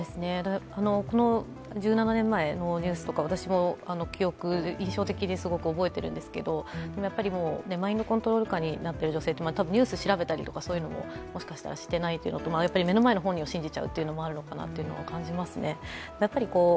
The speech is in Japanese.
この１７年前のニュースは私も記憶、印象的ですごく覚えてるんですけと、マインドコントロール下になっている女性、ニュース調べたりとかそういうのももしかしたらしていないというのと、目の前の本人を信じちゃうのかなというのを感じますね。